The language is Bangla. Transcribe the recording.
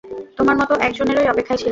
তোমার মতো একজনেরই অপেক্ষায় ছিলাম।